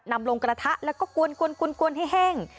นำลงกระทะแล้วก็กวนให้แห้ง